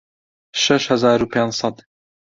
شەش هەزار و پێنج سەد